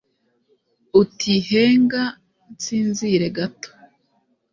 Uti Henga nsinzire gato